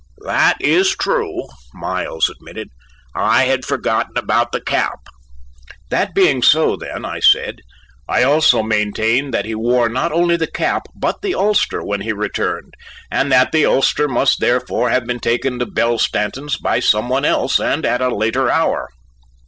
"That is true," Miles admitted; "I had forgotten about the cap." "That being so then," I said, "I also maintain that he wore not only the cap, but the ulster when he returned, and that the ulster must therefore have been taken to Belle Stanton's by some one else, and at a later hour."